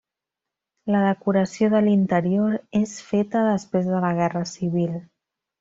La decoració de l'interior és feta després de la Guerra Civil.